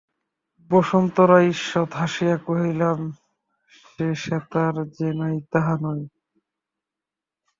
বসন্ত রায় ঈষৎ হাসিয়া কহিলেন, সে সেতার যে নাই, তাহা নয়।